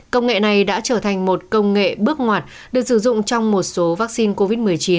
công nghệ này đã trở thành một công nghệ bước ngoặt được sử dụng trong một số vaccine covid một mươi chín